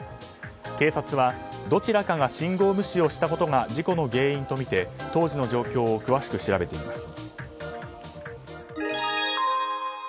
警察は、どちらかが信号無視をしたことが事故の原因とみて当時の状況を詳しく調べています。